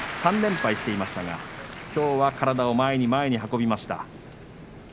３連敗していましたがきょうは体を前に前に運びました。